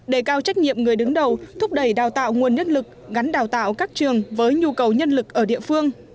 để cao trách nhiệm người đứng đầu thúc đẩy đào tạo nguồn nhân lực gắn đào tạo các trường với nhu cầu nhân lực ở địa phương